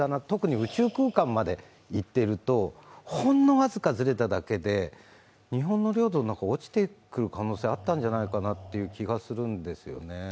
特に宇宙空間まで行っていると、ほんの僅かずれただけで日本の領土の中に落ちてくる可能性があったんじゃないかなという気がするんですよね。